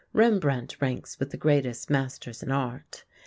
Rembrandt ranks with the greatest masters in art.